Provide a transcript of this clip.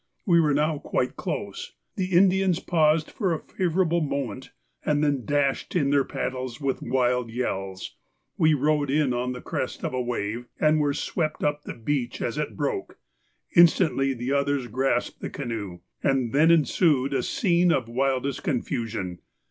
We were now quite close; the Indians paused for a favourable moment, and then dashed in their paddles with wild yells. We rode in on the crest of a wave and were swept up the beach as it broke. Instantly the others grasped the canoe, and there ensued a scene of the wildest confusion.